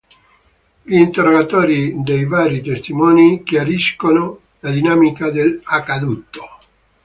Gli interrogatori dei vari testimoni chiariscono la dinamica dell’accaduto.